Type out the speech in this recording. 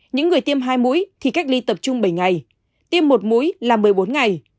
những người tiêm hai mũi thì cách ly tập trung bảy ngày tiêm một mũi là một mươi bốn ngày